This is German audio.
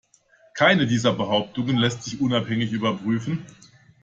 Keine dieser Behauptungen lässt sich unabhängig überprüfen.